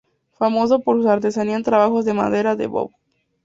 Famoso por su artesanía en trabajos de madera de boj.